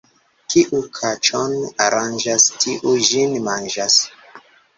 Kiu kaĉon aranĝas, tiu ĝin manĝas.